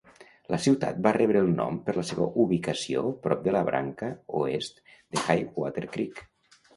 La ciutat va rebre el nom per la seva ubicació prop de la branca oest de Highwater Creek.